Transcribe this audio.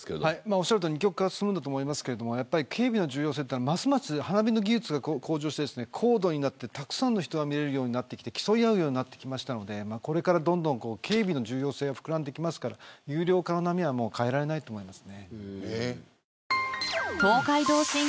おっしゃるとおり二極化すると思いますけど警備の重要性はますます花火の技術が向上して高度になって、たくさんの人が見れるようになってきて競い合うようになってきたのでこれから、どんどん警備の重要性は膨らんでくるので有料化の波は変えられないと思います。